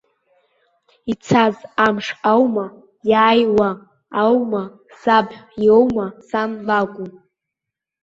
Ицаз амш аума, иааиуа аума, саб иоума, сан лакәу.